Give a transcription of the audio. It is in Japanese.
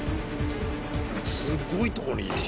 すっごいとこに。